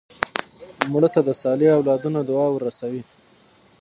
مړه ته د صالح اولادونو دعا ورسوې